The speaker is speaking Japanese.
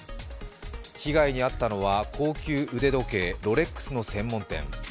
被害に遭ったのは高級腕時計ロレックスの専門店。